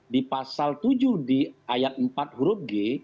di pasal tujuh di ayat empat huruf g